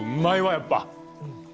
やっぱ。